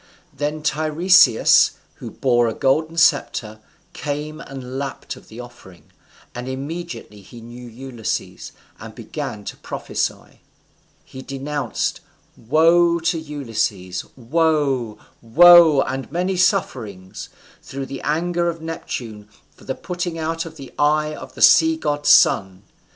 Then Tiresias, who bore a golden sceptre, came and lapped of the offering, and immediately he knew Ulysses, and began to prophesy: _he denounced woe to Ulysses woe, woe, and many sufferings through the anger of Neptune for the putting out of the eye of the sea god's son.